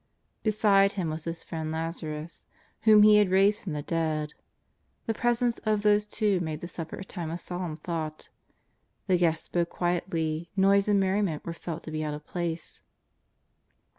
Beside Him was His friend Lazarus, whom He had raised from the dead. The presence of those two made the supper a time of solemn thought ; the guests spoke quietly, noise and merriment were felt to be out of place.